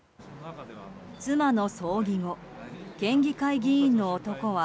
妻の葬儀後、県議会議員の男は